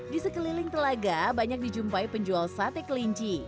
di sekeliling telaga banyak dijumpai penjual sate kelinci